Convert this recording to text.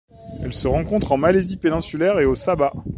Elle se rencontre en Malaisie péninsulaire et au Sabah.